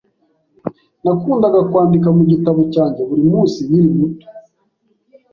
Nakundaga kwandika mu gitabo cyanjye buri munsi nkiri muto.